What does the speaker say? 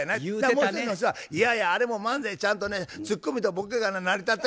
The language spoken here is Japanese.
もう一人の人はいやいやあれも漫才ちゃんとねつっこみとボケが成り立って。